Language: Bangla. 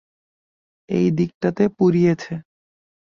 এই দিকটাতে পুড়িয়েছে।